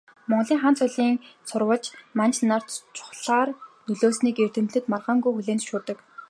Монголын хаан цолын сурвалж манж нарт чухлаар нөлөөлснийг эрдэмтэд маргаангүй хүлээн зөвшөөрдөг.